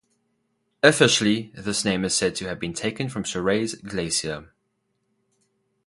Officially, this name is said to have been taken from Shirase Glacier.